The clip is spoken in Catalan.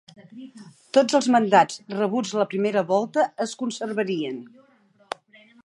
Tots els mandats rebuts a la primera volta es conservarien.